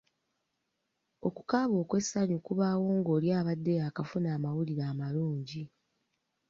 Okukaaba okw’essanyu kubaawo ng’oli abadde yaakafuna amawulire amalungi.